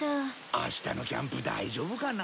明日のキャンプ大丈夫かな？